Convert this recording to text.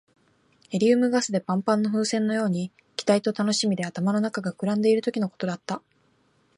ヘリウムガスでパンパンの風船のように、期待と楽しみで頭の中が膨らんでいるときのことだった。